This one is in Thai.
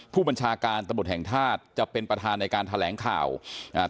ผู้บัญชาการตำรวจแห่งชาติจะเป็นประธานในการแถลงข่าวอ่า